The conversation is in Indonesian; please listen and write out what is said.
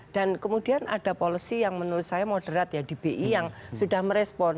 dan kemudian ada policy yang menurut saya moderat ya di bi yang sudah merespon